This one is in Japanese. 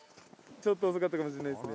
ちょっと遅かったかもしれないですね。